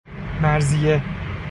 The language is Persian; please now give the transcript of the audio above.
مرضیه